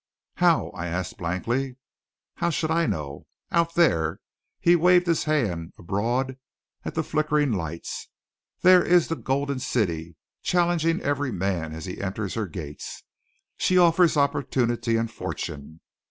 "How?" I asked blankly "How should I know? Out there" he waved his hand abroad at the flickering lights. "There is the Golden City, challenging every man as he enters her gates. She offers opportunity and fortune.